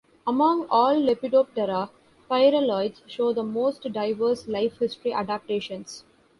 Among all Lepidoptera, pyraloids show the most diverse life history adaptations.